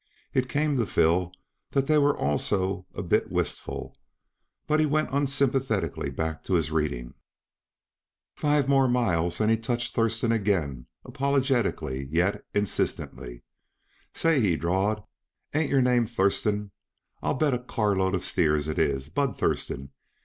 It came to Phil that they were also a bit wistful, but he went unsympathetically back to his reading. Five miles more and be touched Thurston again, apologetically yet insistently. "Say," he drawled, "ain't your name Thurston? I'll bet a carload uh steers it is Bud Thurston.